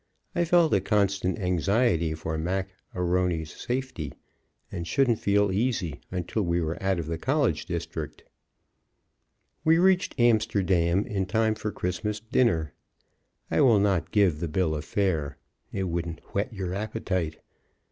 I felt a constant anxiety for Mac A'Rony's safety, and shouldn't feel easy until we were out of the college district. We reached Amsterdam in time for Christmas dinner. I will not give the bill of fare; it wouldn't whet your appetite.